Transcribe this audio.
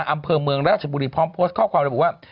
อำเภอเมืองราชบุรีพร้อมโพสต์ข้อความระบุว่า